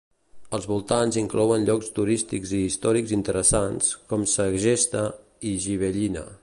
Els voltants inclouen llocs turístics i històrics interessants, com Segesta i Gibellina.